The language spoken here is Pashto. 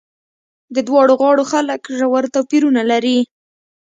د دواړو غاړو خلک ژور توپیرونه لري.